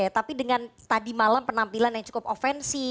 tapi dengan tadi malam penampilan yang cukup ofensi